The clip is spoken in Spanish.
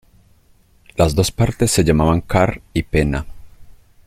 Las dos partes se llamaban car y pena.